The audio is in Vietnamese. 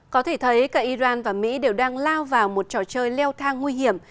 có thể thấy cả iran và mỹ đều đang lao vào một trò chơi leo thang nguy hiểm